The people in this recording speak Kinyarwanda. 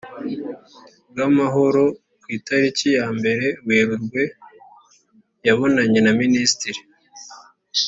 bw amahoro ku itariki ya mbere werurwe yabonanye na minisitiri